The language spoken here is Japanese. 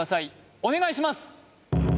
お願いします